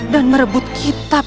dan merebut kitab